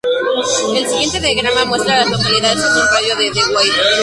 El siguiente diagrama muestra a las localidades en un radio de de Wade.